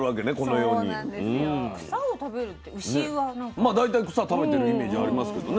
まあ大体草食べてるイメージはありますけどね。